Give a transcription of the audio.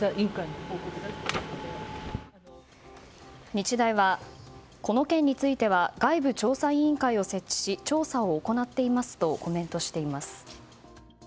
日大は、この件については外部調査委員会を設置し調査を行っていますとコメントしています。